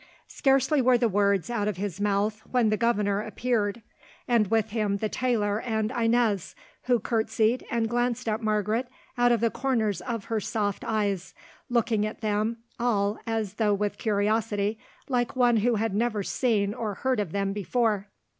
Scarcely were the words out of his mouth when the governor appeared, and with him the tailor and Inez, who curtseyed and glanced at Margaret out of the corners of her soft eyes, looking at them all as though with curiosity, like one who had never seen or heard of them before.